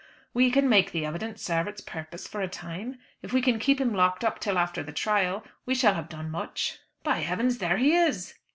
"We can make the evidence serve its purpose for a time. If we can keep him locked up till after the trial we shall have done much. By heavens, there he is!"